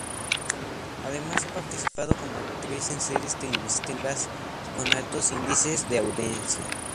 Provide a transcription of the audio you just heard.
Además ha participado como actriz en series televisivas con altos índices de audiencia.